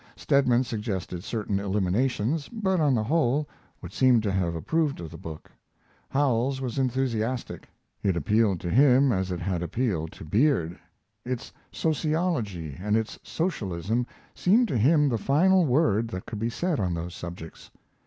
Stedman suggested certain eliminations, but, on the whole, would seem to have approved of the book. Howells was enthusiastic. It appealed to him as it had appealed to Beard. Its sociology and its socialism seemed to him the final word that could be said on those subjects.